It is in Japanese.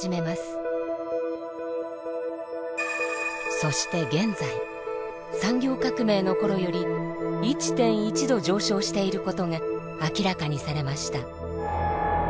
そして現在産業革命の頃より１．１℃上昇していることが明らかにされました。